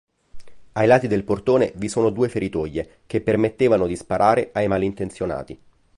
Ai lati del portone vi sono due feritoie che permettevano di sparare ai malintenzionati.